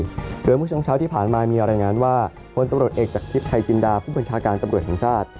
เผลอมุชช้องเช้าที่ผ่านมามีอร่ายงานว่าคนตำรวจเอกจากทริปไทยกินดาผู้บัญชาการตำรวจสันชาติ